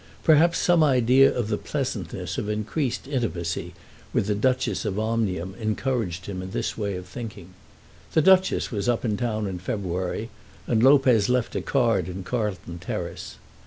Perhaps some idea of the pleasantness of increased intimacy with the Duchess of Omnium encouraged him in this way of thinking. The Duchess was up in town in February, and Lopez left a card in Carlton Terrace.